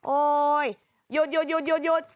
โอ๊ยหยุดหยุดหยุดหยุด